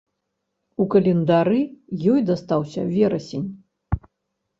У календары ёй дастаўся верасень.